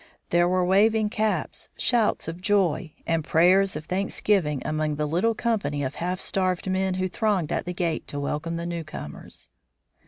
There were waving caps, shouts of joy, and prayers of thanksgiving among the little company of half starved men who thronged at the gate to welcome the newcomers.